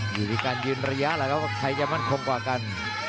อยู่ด้วยกันหยืนระยะแล้วก็มั่นคงค่อยกัน